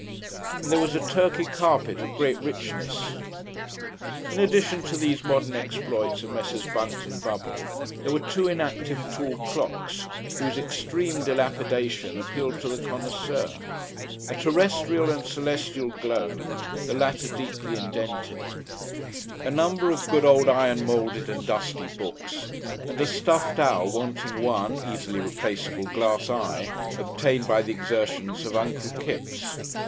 And there was a Turkey carpet of great richness. In addition to these modern exploits of Messrs. Bunt and Bubble, there were two inactive tall clocks, whose extreme dilapidation appealed to the connoisseur; a terrestrial and a celestial globe, the latter deeply indented; a number of good old iron moulded and dusty books, and a stuffed owl wanting one (easily replaceable) glass eye, obtained by the exertions of Uncle Kipps.